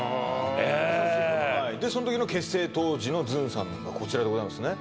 へえええでその時の結成当時のずんさんがこちらでございますね